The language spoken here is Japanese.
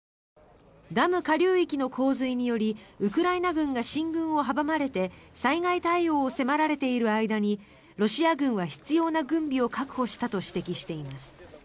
ダム下流域の洪水によりウクライナ軍が進軍を阻まれて災害対応を迫られている間にロシア軍は必要な軍備を確保したとしています。